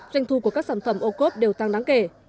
doanh thu của các sản phẩm ô cốp đều tăng đáng kể